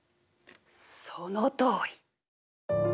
そのとおり。